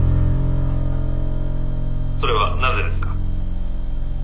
「それはなぜですか？」。